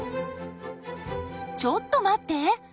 ちょっと待って！